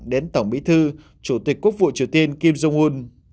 đến tổng bí thư chủ tịch quốc hội triều tiên kim jong un